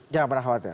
jangan pernah khawatir